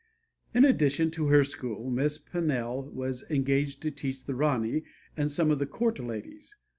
In addition to her school, Miss Pannell was engaged to teach the Rani and some of the court ladies.